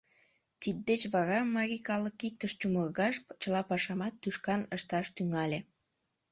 Тиддеч вара марий калык иктыш чумыргаш, чыла пашамат тӱшкан ышташ тӱҥале.